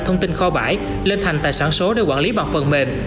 thông tin kho bãi lên thành tài sản số để quản lý bằng phần mềm